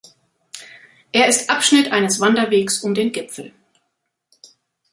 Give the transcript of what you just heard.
Er ist Abschnitt eines Wanderwegs um den Gipfel.